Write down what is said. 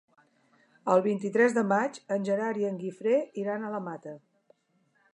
El vint-i-tres de maig en Gerard i en Guifré iran a la Mata.